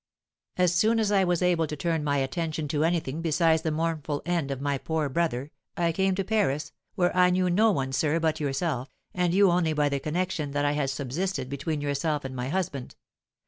As soon as I was able to turn my attention to anything besides the mournful end of my poor brother, I came to Paris, where I knew no one, sir, but yourself, and you only by the connection that had subsisted between yourself and my husband.